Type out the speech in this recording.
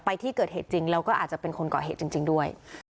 ไปที่เกิดเหตุจริงแล้วก็อาจจะเป็นคนเกาะเหตุจริงด้วย